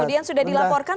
kemudian sudah dilaporkan